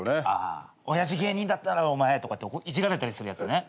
親父芸人だったらお前とかっていじられたりするやつね。